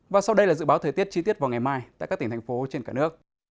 và sau đây là dự báo thời tiết chi tiết vào ngày mai tại các tỉnh thành phố trên cả nước